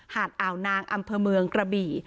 อ่าวนางอำเภอเมืองกระบี่